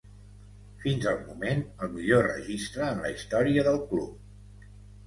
Fins al moment, el millor registre en la història del club.